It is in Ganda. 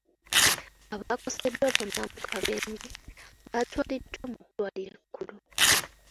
Abaakoseddwa bonna mu kabenje baatwaliddwa mu ddwaliro ekkulu.